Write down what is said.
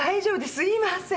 すいません。